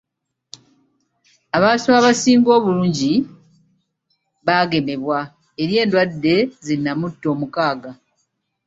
Abantu abasinga obungi baagemebwa eri endwadde zi nnamutta omukaaga.